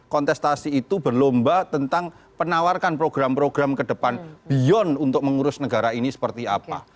kontestasi itu berlomba tentang penawarkan program program ke depan beyond untuk mengurus negara ini seperti apa